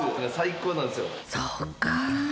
そっか。